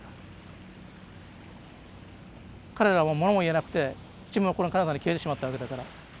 彼らはものも言えなくて沈黙の彼方に消えてしまったわけだから。